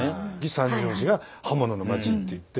三条市が刃物の町っていって。